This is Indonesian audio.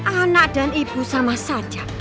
anak dan ibu sama saja